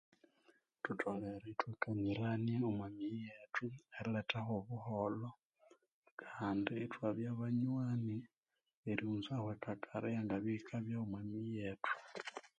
Thutholere ithwakanirania omumiyi yethu nerilethaho obuholho Kandi ithwabyabanywani erighunzaho ekakara eyangabya eyikabya omumiyi yethu